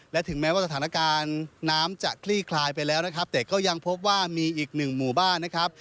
และถึงแม้ว่าสถานการณ์น้ำจะคลี่คลายไปแล้วนะครับแต่ก็ยังพบว่ามีอีกหนึ่งหมู่บ้านนะครับ